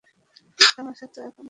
তামাশা তো এখন আমার সাথে হচ্ছে।